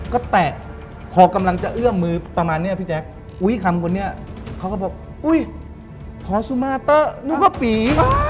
ก็แตะพอกำลังจะเอื้อมมือประมาณนี้พี่แจ๊คอุ้ยคำคนนี้เขาก็บอกอุ๊ยพอสุมาเตอร์นึกว่าปี